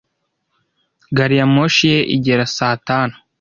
Gari ya moshi ye igera saa tanu